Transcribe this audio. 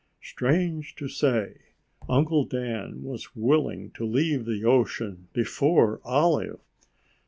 Strange to say, Uncle Dan was willing to leave the ocean before Olive.